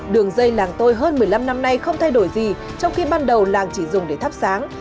đường dây làng tôi hơn một mươi năm năm nay không thay đổi gì trong khi ban đầu làng chỉ dùng để thắp sáng